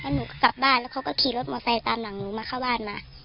หนูก็กลับบ้านแล้วเขาก็ขี่รถมอไซค์ตามหลังหนูมาเข้าบ้านมา